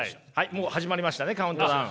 もう始まりましたねカウントダウン。